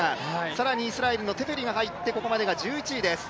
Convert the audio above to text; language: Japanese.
更にイスラエルのテフェリが入って、ここまでが１１位です。